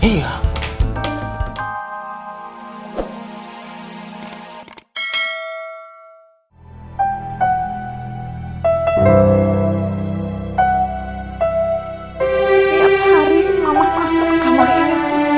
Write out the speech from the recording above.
tiap hari mama masuk ke kamar ini